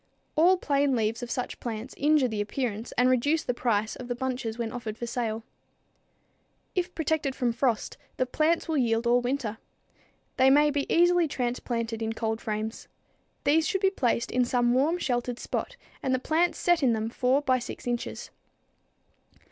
All plain leaves of such plants injure the appearance and reduce the price of the bunches when offered for sale. If protected from frost, the plants will yield all winter. They may be easily transplanted in cold frames. These should be placed in some warm, sheltered spot and the plants set in them 4 by 6 inches.